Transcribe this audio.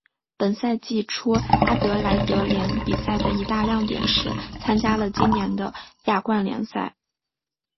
本赛季初阿德莱德联比赛的一大亮点是参加了今年的亚冠联赛。